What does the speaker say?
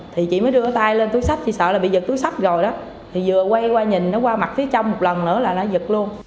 thì chị mới đưa tay lên túi sách thì sợ là bị giật túi sách rồi đó thì vừa quay qua nhìn nó qua mặt phía trong một lần nữa là nó giật luôn